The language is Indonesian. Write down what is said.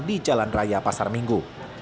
di jalan raya pasar minggu